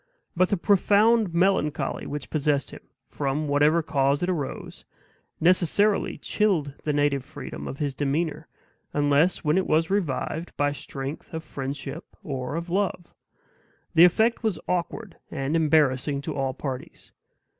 But the profound melancholy which possessed him, from whatever cause it arose, necessarily chilled the native freedom of his demeanor, unless when it was revived by strength of friendship or of love. The effect was awkward and embarrassing to all parties.